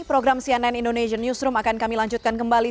program cnn indonesian newsroom akan kami lanjutkan kembali